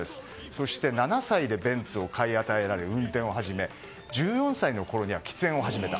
そして７歳でベンツを買い与えられ、運転をはじめ１４歳のころには喫煙を始めた。